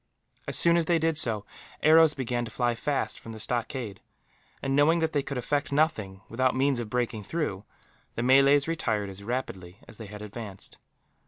As soon as they did so, arrows began to fly fast from the stockade and, knowing that they could effect nothing, without means of breaking through, the Malays retired as rapidly as they had advanced.